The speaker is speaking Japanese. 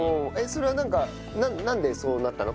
それはなんかなんでそうなったの？